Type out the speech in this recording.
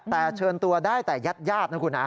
แต่เชิญตัวได้แต่ยาดนะครับคุณฮะ